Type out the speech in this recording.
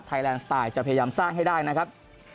แลนด์สไตล์จะพยายามสร้างให้ได้นะครับ